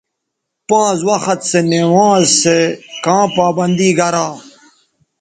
پانز وخت سونوانز سو کاں پابندی گرا